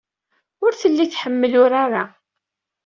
Ur telli tḥemmel urar-a.